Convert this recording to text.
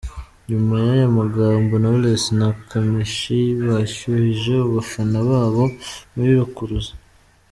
Nyuma y’aya magambo, Knowless na Kamichi bashyuhije abafana babo muri Rukuruzi.